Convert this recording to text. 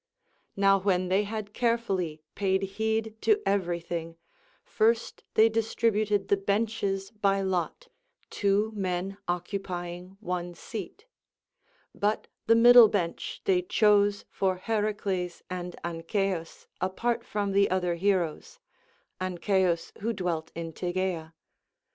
Now when they had carefully paid heed to everything, first they distributed the benches by lot, two men occupying one seat; but the middle bench they chose for Heracles and Ancaeus apart from the other heroes, Ancaeus who dwelt in Tegea.